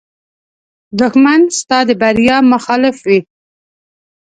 دښمن ستا د بریا مخالف وي